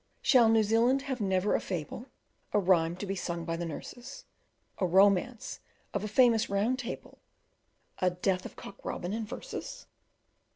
Shall New Zealand have never a fable, A rhyme to be sung by the nurses, A romance of a famous Round Table, A "Death of Cock Robin" in verses?